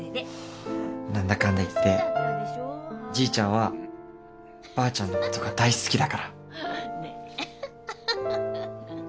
何だかんだ言ってじいちゃんはばあちゃんのことが大好きだから。